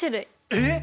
えっ！